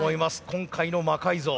今回の魔改造。